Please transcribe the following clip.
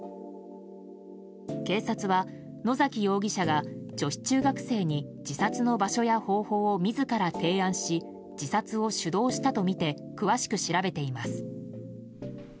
警察は野崎容疑者が女子中学生に自殺の場所や方法を自ら提案し自殺を主導したとみて詳しく調べています。